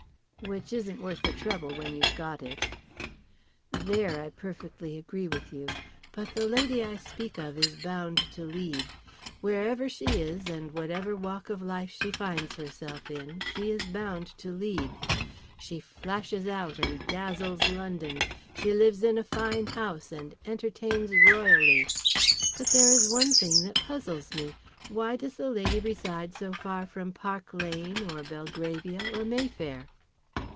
"Which isn't worth the trouble when you've got it." "There I perfectly agree with you. But the lady I speak of is bound to lead. Wherever she is and whatever walk of life she finds herself in, she is bound to lead. She flashes out and dazzles London. She lives in a fine house and entertains royally. But there is one thing that puzzles me. Why does the lady reside so far from Park Lane or Belgravia or Mayfair?"